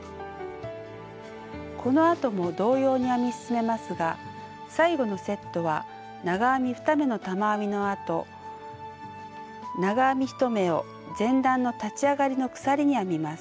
このあとも同様に編み進めますが最後のセットは長編み２目の玉編みのあと長編み１目を前段の立ち上がりの鎖に編みます。